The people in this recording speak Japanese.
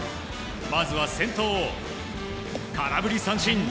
まずは先頭を空振り三振。